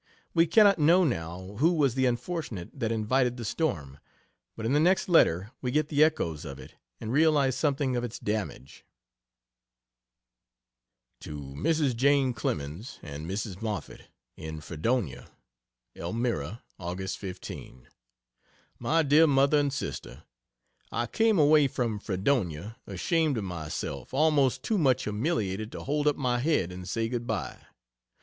We cannot know now who was the unfortunate that invited the storm, but in the next letter we get the echoes of it and realize something of its damage. To Mrs. Jane Clemens and Mrs. Moffett, in Fredonia: ELMIRA, Aug. 15. MY DEAR MOTHER AND SISTER, I came away from Fredonia ashamed of myself; almost too much humiliated to hold up my head and say good bye.